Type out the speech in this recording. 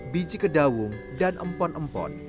biji kedawung dan empon empon